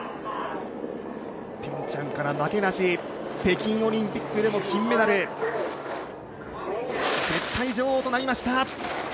ピョンチャンから負けなし、北京オリンピックでも金メダル、絶対女王となりました。